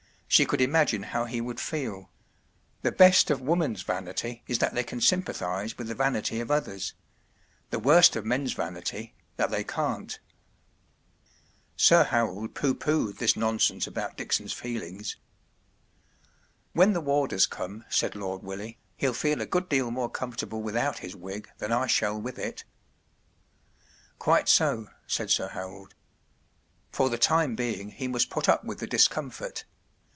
She could imagine how he would feel. The best of woman’s vanity is that they can sympathize with the vanity of others ; tfj| worst of men’s vanity, that" tney can t. ACCESSORIES AFTER THE FACT . 107 Sir Harold pooh poohed this nonsense about Dickson’s feelings. When the warders come/ 1 said Lord Willie, “ he’ll feel a good deal more comfort¬ able without his wig than I shall with it/' Quite so," said Sir Harold. “ For the time being he must put up with the dis¬ comfort.